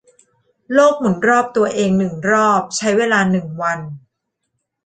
โลกหมุนรอบตัวเองหนึ่งรอบใช้เวลาหนึ่งวัน